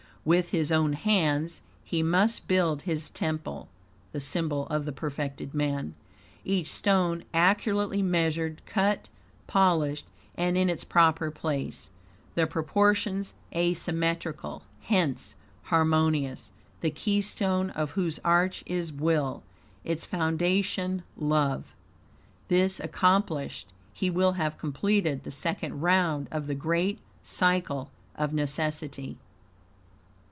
With his own hands he must build his temple (the symbol of the perfected man), each stone accurately measured, cut, polished, and in its proper place, the proportions symmetrical, hence, harmonious; the keystone of whose arch is WILL, its foundation love. This accomplished, be will have completed the second round of the great Cycle of Necessity.